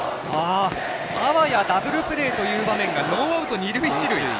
あわやダブルプレーという場面がノーアウト、二塁一塁。